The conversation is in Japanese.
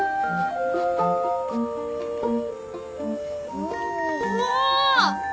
おお！